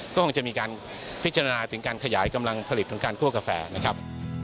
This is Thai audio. ก็คงจะมีการพิจารณาถึงการขยายกำลังผลิตของการคั่วกาแฟนะครับ